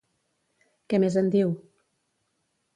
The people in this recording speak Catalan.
Què més en diu?